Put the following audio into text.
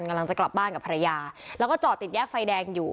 กำลังจะกลับบ้านกับภรรยาแล้วก็จอดติดแยกไฟแดงอยู่